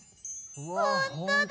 ほんとだ！